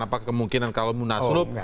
apa kemungkinan kalau munaslub